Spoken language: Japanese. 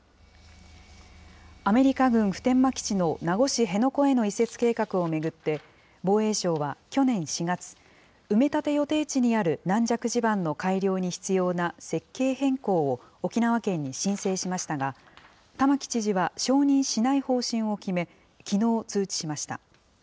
アメリカ軍普天間基地の名護市辺野古への移設計画を巡って、防衛省は去年４月、埋め立て予定地にある軟弱地盤の改良に必要な設計変更を沖縄県に申請しましたが、玉城知事は承認しない方針を決め、きのう通知しました。